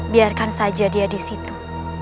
biarkan saja dia di situ